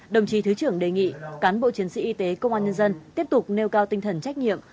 đồng chí thứ trưởng đề nghị cán bộ chiến sĩ y tế công an nhân dân tiếp tục nêu cao tinh thần trách nhiệm